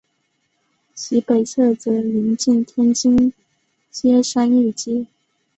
其北侧则邻近天津街商业街。